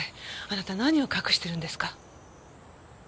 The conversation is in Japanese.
あなた何を隠してるんですか？